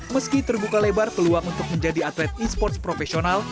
meski terbuka lebar peluang untuk menjadi atlet esports profesional